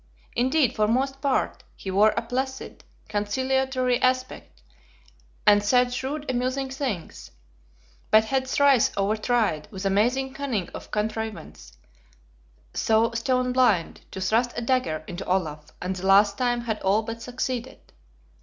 Indeed, for most part he wore a placid, conciliatory aspect, and said shrewd amusing things; but had thrice over tried, with amazing cunning of contrivance, though stone blind, to thrust a dagger into Olaf and the last time had all but succeeded.